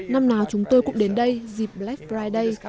năm nào chúng tôi cũng đến đây dịp black friday